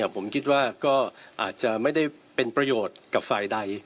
ผมคิดว่าก็อาจจะไม่ได้เป็นประโยชน์กับฝ่ายใด